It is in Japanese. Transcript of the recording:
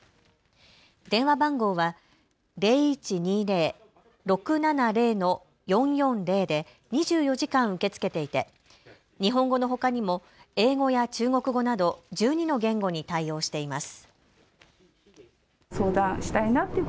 電話番号は０１２０−６７０−４４０で２４時間受け付けていて日本語のほかにも英語や中国語など１２の言語に対応しています。